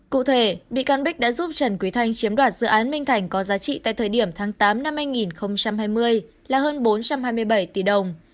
cụ thể bị can bích đã giúp trần quý thanh chiếm đoạt dự án minh thành có giá trị tại thời điểm tháng tám năm hai nghìn hai mươi là hơn bốn trăm hai mươi bảy tỷ đồng